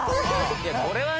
これはね